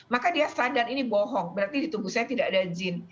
maka dia sadar ini bohong berarti di tubuh saya tidak ada jin